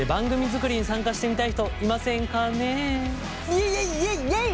イエイイエイイエイイエイ！